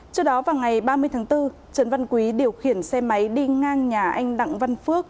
trước đó vào ngày ba mươi tháng bốn trần văn quý điều khiển xe máy đi ngang nhà anh đặng văn phước